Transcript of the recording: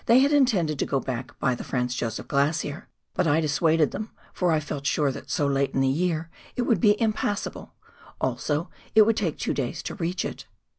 They had intended to go back by the Franz Josef Glacier, but I dissuaded them, for I felt sure that so late in the year it would be impassable, also it would take two days to reach it.